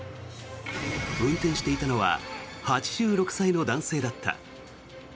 運転していたのは８６歳の男性だった。